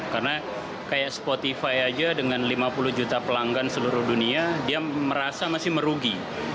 karena kayak spotify aja dengan lima puluh juta pelanggan seluruh dunia dia merasa masih merugi